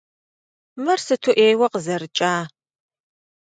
Мыр сыту ӏейуэ къызэрыкӏа!